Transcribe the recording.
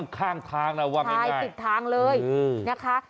ข้างทางเราว่าไม่ง่ายใช่ติดทางเลยนะคะ